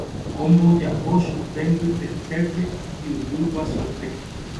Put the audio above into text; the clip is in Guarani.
Omboja'o chupe mbytetépe ijyvy guasuete.